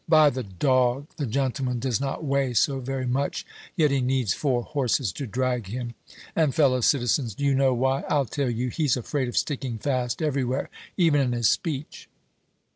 By the dog! the gentleman does not weigh so very much, yet he needs four horses to drag him. And, fellow citizens, do you know why? I'll tell you. He's afraid of sticking fast everywhere, even in his speech."